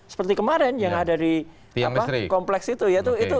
seperti kemarin yang ada di kompleks itu ya